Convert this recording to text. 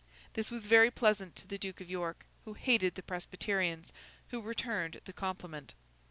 This was very pleasant to the Duke of York, who hated the Presbyterians, who returned the compliment.